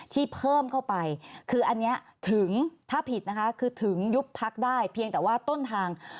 ที่เพิ่มเข้าไปคืออันนี้ถึงถ้าผิดนะคะคือถึงยุบพักได้เพียงแต่ว่าต้นทาง